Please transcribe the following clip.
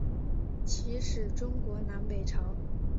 始于中国南北朝。